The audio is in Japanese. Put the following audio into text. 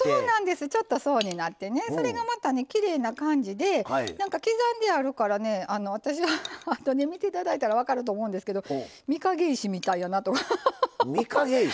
ちょっと層になってそれがまたきれいな感じになって刻んであるから私は、あとで見ていただいたら分かると思うんですけど御影石みたいやなと。